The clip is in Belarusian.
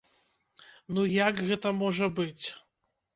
Ну як гэта можа быць?